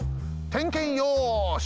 てんけんよし！